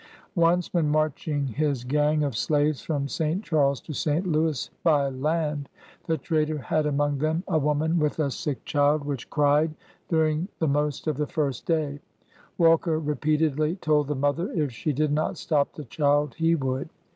Once, when marching his gang of slaves from St. Charles to St. Louis, by land, the trader had among them a woman, with a sick child, AN AMERICAN BONDMAN. 27 which, cried during the most of the first dav. Walker repeatedly told the mother if she did not stop the child, he would.